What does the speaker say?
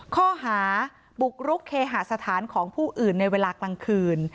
ข้อหาบุกรุกเคหาสถานของผู้อื่นในเวลากลางคืน